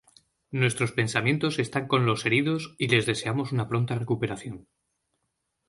Nuestros pensamientos están con los heridos y les deseamos una pronta recuperación".